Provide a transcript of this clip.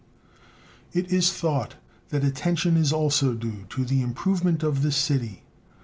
It is thought that attention is also due to the improvement of this city.